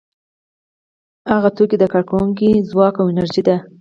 هغه توکي د کارکوونکو ځواک او انرژي ده